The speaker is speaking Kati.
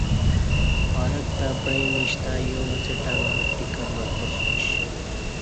پارک تہ پیعی میش تہ یووڅہ ٹݣہ ٹکٹ وکتاسمیش